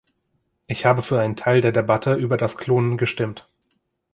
Ich habe für einen Teil der Debatte über das Klonen gestimmt.